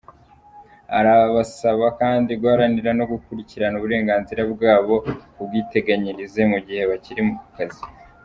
Arabasaba kandi guharanira no gukurikirana uburenganzira bwabo ku bwiteganyirize mu gihe bakiri mu kazi.